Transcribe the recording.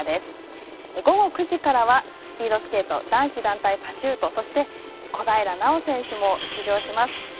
午後９時からはスピードスケート男子団体パシュートそして小平奈緒選手も出場します